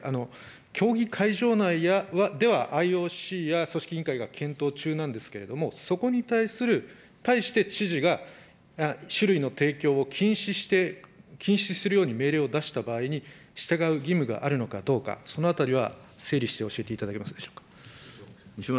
競技会場内ではＩＯＣや組織委員会が検討中なんですけれども、そこに対する、対して、知事が酒類の提供を禁止して、禁止するように命令を出した場合に、従う義務があるのかどうか、そのあたりは整理して教えていただけますでしょうか。